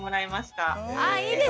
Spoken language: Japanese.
あいいですね！